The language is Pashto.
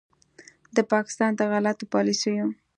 د پاکستان د غلطو پالیسیو